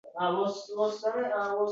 Ertaga o‘g‘lingni qo‘yvoramiz depti.